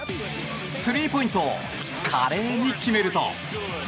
スリーポイントを華麗に決めると。